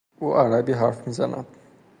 او عربی حرف میزند.